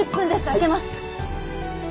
開けます。